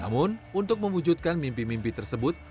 namun untuk mewujudkan mimpi mimpi tersebut